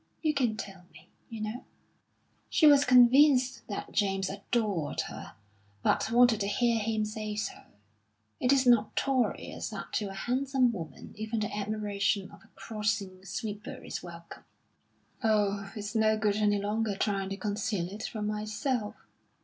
"You can tell me, you know." She was convinced that James adored her, but wanted to hear him say so. It is notorious that to a handsome woman even the admiration of a crossing sweeper is welcome. "Oh, it's no good any longer trying to conceal it from myself!"